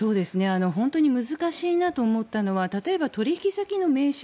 本当に難しいなと思ったのは例えば取引先の名刺